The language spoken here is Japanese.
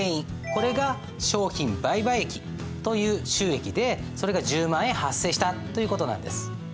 これが商品売買益という収益でそれが１０万円発生したという事なんです。